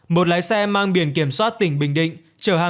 một lái xe mang biển kiểm soát tỉnh bình định